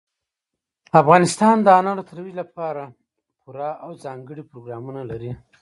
افغانستان د انارو د ترویج لپاره پوره او ځانګړي پروګرامونه لري.